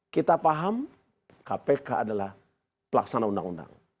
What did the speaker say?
kita paham kpk adalah pelaksana undang undang